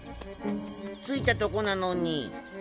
着いたとこなのに。